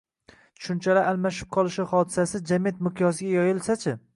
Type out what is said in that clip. Tushunchalar almashib qolishi hodisasi jamiyat miqyosiga yoyilsa-chi?